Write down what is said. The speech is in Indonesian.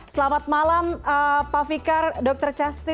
selamat malam pak fikar dr casti